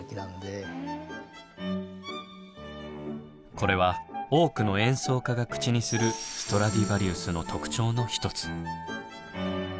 これは多くの演奏家が口にするストラディバリウスの特徴の一つ。